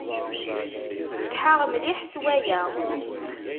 Ssetḥaɣ mliḥ s waya.